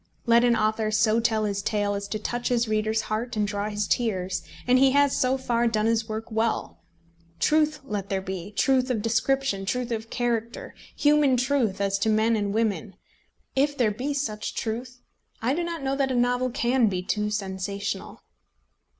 Let an author so tell his tale as to touch his reader's heart and draw his tears, and he has, so far, done his work well. Truth let there be, truth of description, truth of character, human truth as to men and women. If there be such truth, I do not know that a novel can be too sensational.